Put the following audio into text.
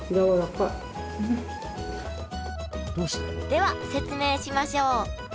では説明しましょう。